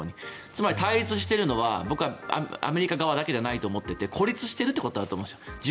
つまり対立しているのはアメリカ側だけじゃないと思っていて孤立しているということだと思うんです。